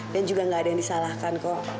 dan juga gak ada yang disalahkan kok